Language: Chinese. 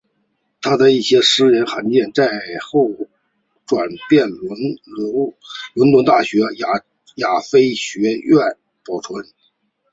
他的一些私人函件在身后转交伦敦大学亚非学院保存。